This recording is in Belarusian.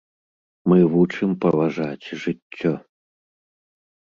Мы вучым паважаць жыццё.